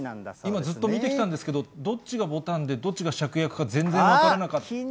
今、ずっと見てきたんですけど、どっちがぼたんで、どっちがしゃくやくか全然分からなかったんですが。